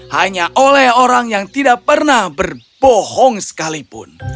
hanya oleh orang yang tidak pernah berbohong sekalipun